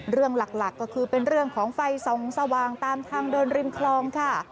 เรื่องหลักก็คือเป็นเรื่องของไฟส่องสว่างตามทางเดินริมคลองค่ะ